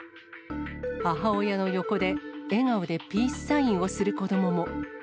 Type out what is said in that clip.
母親の横で笑顔でピースサインをする子どもも。